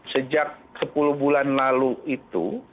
sejak sepuluh bulan lalu itu